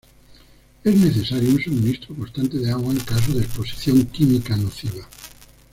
Es necesario un suministro constante de agua en caso de exposición química nociva.